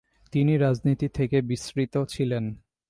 তিনি রাজনীতি থেকে বিস্মৃত ছিলেন।